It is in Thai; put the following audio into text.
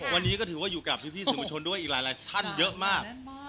วันนี้ก็ถือว่าอยู่กับพี่สื่อประชนด้วยอีกหลายท่านเยอะมาก